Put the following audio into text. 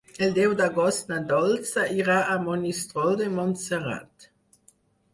El deu d'agost na Dolça irà a Monistrol de Montserrat.